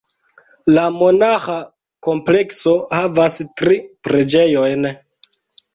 La monaĥa komplekso havas tri preĝejojn.